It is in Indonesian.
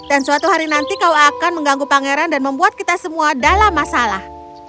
dan suatu hari nanti kau akan mengganggu pangeran dan membuat kita semua dalam masalah